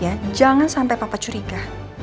ya jangan sampai papa curiga